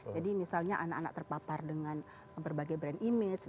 jadi misalnya anak anak terpapar dengan berbagai brand image